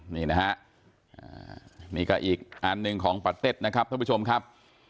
นี่นะฮะนี่ก็อีกอันหนึ่งของปาเต็ดนะครับท่านผู้ชมครับ